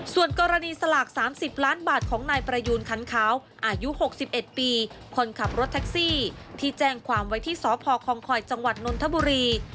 ส่วนกรณีสลาก๓๐ล้านบาทของนายประยูนคันขาวอายุ๖๑ปีคนขับรถแท็กซี่ที่แจ้งความไว้ที่สพคองคอยจังหวัดนนทบุรี